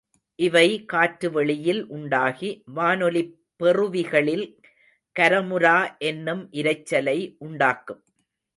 இவை காற்றுவெளியில் உண்டாகி, வானொலிப் பெறுவிகளில் கரமுரா என்னும் இரைச்சலை உண்டாக்கும்.